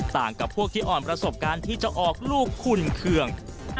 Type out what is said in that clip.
กับพวกที่อ่อนประสบการณ์ที่จะออกลูกขุ่นเครื่อง